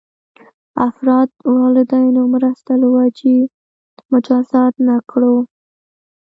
افراد والدینو مرسته له وجې مجازات نه کړو.